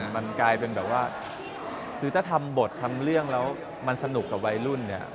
มันกลายเป็นแบบถ้าทำบททำเรื่องแล้วมันสนุกกับไวรุ่น